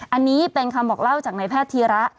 อันนี้เป็นคำบอกเล่าจากนายแพทย์ธีระ